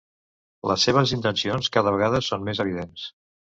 Les seves intencions cada vegada són més evidents.